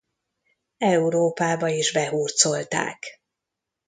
Európába is behurcolták.